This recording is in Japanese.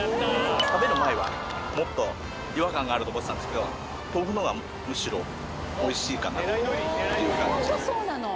食べる前は、もっと違和感があると思ってたんですけど、豆腐のほうがむしろおいしいかなっていう感じです。